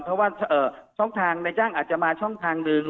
เพราะว่าช่องทางในจ้างอาจจะมาช่องทางหนึ่ง